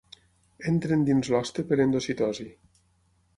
Entren dins l'hoste per endocitosi.